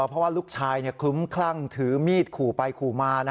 เพราะว่าลูกชายคลุ้มคลั่งถือมีดขู่ไปขู่มา